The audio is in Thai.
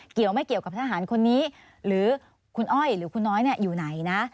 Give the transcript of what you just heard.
เกี่ยวไม่เกี่ยวกับทหารคนนี้หรือคุณอ้อยหรือคุณน้อยอยู่ไหนนะ